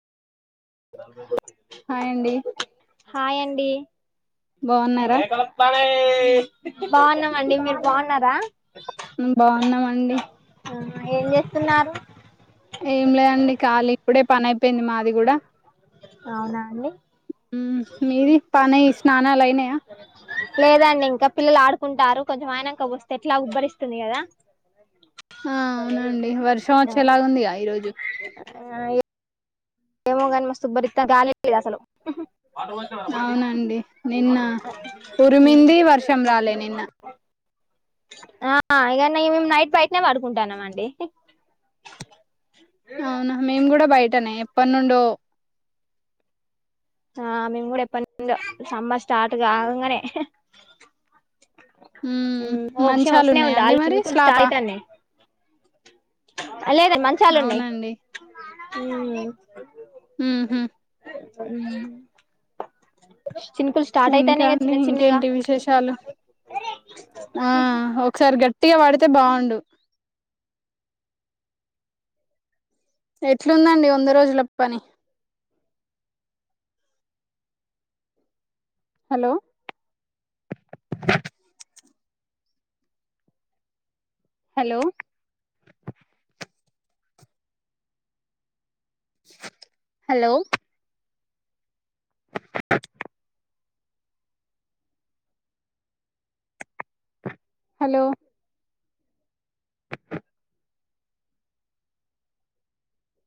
hi అండి hi అండి బాగున్నారా బాన్నమ్ అండి మీరు బాన్నర ఉమ్, బాగున్నామండి ఆహా ఏం జేస్తున్నారు ఏం లేదండి కాలి ఇప్పుడే పనైపేంది మాది అదిగుడా అవునా అండి ఉ మీది పని స్నానాలు అయినాయా లేదండి ఇంకా పిల్లలు ఆడుకుంటారు కొంచెం అయినాంక వోస్త ఎట్లాగు ఉబ్బరిస్తుంది గదా ఆ అవునండి వర్షం అచ్చేలాగుందిగ ఈ రోజు ఆ ఈ ఏమోగాని మస్తు ఉబ్బరితా గాలే లేదు అసలు ఉ అవునండి నిన్న ఉరిమింది వర్షం రాలే నిన్న ఆ ఇగనే నైట్ బైట్నె వడుకుంటన్నామండి అవునా మేం గూడ బైటనే ఎప్పడ్నుండో ఆ మేము గుడా ఎప్పనుండో సమ్మర్ స్టాట్ కాగంగానే ఉమ్ ఓ క్షామ్ మంచాలు ఉన్నాయా ఒస్నేఉంది అండి ఆల్ మరి చినుకులు స్లాపా స్టాట్ అయినై ఆ లేదన్ మంచాలూనై అవునండి ఉహు చినుకుల్ ఇంకా అండి ఇంకేంటి విశేషాలు ఆ ఒక్సారి గట్టిగా వడ్తే బావుండు ఎట్లుందండి ఒంద రోజుల పని హలో హలో హలో హలో